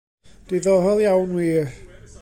Diddorol iawn wir.